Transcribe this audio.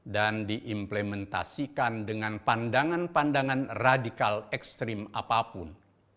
dan diimplementasikan dengan pandangan pandangan radikal ekstrim apapun